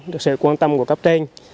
được sự quan tâm của cấp trên